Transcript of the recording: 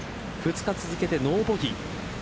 ２日続けてノーボギー。